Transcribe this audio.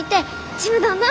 「ちむどんどん」。